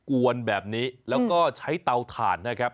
กวนแบบนี้แล้วก็ใช้เตาถ่านนะครับ